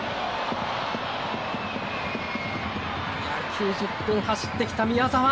９０分、走ってきた宮澤。